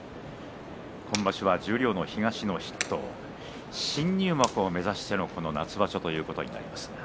今場所は十両の東の筆頭新入幕を目指しての夏場所となります。